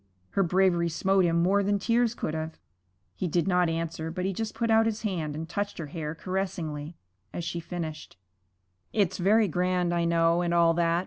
Her bravery smote him more than tears could have. He did not answer, but he just put out his hand and touched her hair caressingly, as she finished, 'It's very grand, I know, and all that.